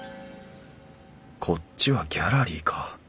こっちはギャラリーか。